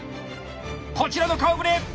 こちらの顔ぶれ！